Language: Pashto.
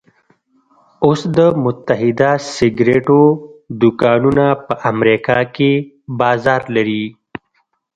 اوس د متحده سګرېټو دوکانونه په امريکا کې بازار لري.